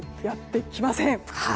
やってきません。